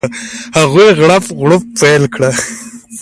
هغوی غړپ غړوپ پیل کړي.